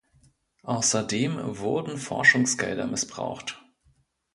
Außerdem wurden Forschungsgelder missbraucht.